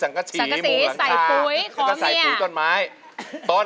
ร้องได้ให้ร้อง